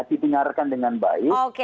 ditinggalkan dengan baik oke